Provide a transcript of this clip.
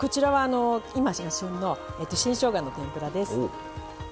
今が旬の新しょうがの天ぷらです。